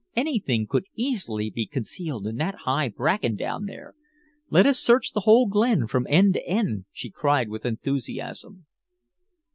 "Anything could easily be concealed in that high bracken down there. Let us search the whole glen from end to end," she cried with enthusiasm.